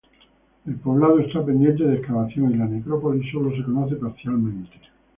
El poblado esta pendiente de excavación y la necrópolis sólo se conoce parcialmente.